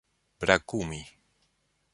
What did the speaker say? brakumi